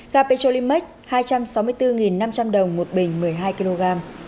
ga petro limac hai trăm sáu mươi bốn năm trăm linh đồng một bình một mươi hai kg